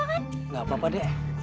enggak apa apa deh